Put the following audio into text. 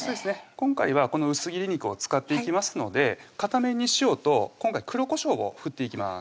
今回はこの薄切り肉を使っていきますので片面に塩と今回黒こしょうを振っていきます